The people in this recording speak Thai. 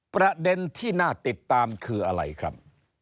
ประเด็นที่น่าติดตามคืออะไรครับ